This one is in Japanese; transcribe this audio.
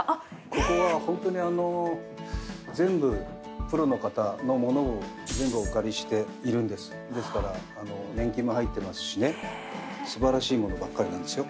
ここはホントに全部プロの方のものを全部お借りしているんですですから年季も入ってますしねすばらしいものばかりなんですよ